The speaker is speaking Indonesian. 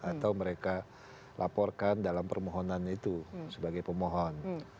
atau mereka laporkan dalam permohonan itu sebagai pemohon